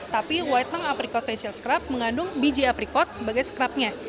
tapi whitening apricot facial scrub mengandung biji aprikot sebagai scrubnya